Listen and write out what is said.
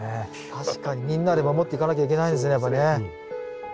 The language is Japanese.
確かにみんなで守っていかなきゃいけないですねやっぱね。